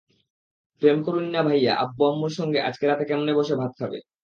প্রেম করুইন্না ভাইয়া আব্বু-আম্মুর সঙ্গে আজকে রাতে কেমনে বসে ভাত খাবে।